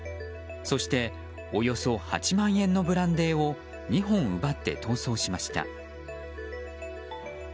そして、およそ８万円のブランデーを２本奪って逃走しました。